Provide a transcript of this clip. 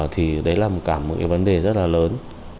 thì đấy là cả một cái vấn đề rất là lớn